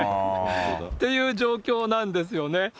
という状況なんですよね。